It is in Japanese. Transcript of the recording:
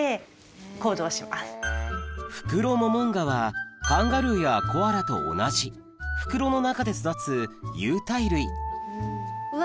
フクロモモンガはカンガルーやコアラと同じ袋の中で育つ有袋類うわ